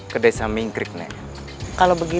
ke desa mingkrik nek